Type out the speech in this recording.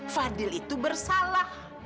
fadil itu bersalah